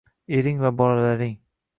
ering va bolalaring